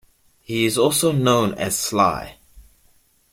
He is also known as Sly.